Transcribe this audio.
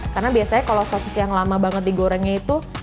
karena biasanya kalau sosis yang lama banget digorengnya itu